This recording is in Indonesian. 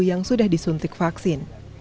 yang sudah disuntik vaksin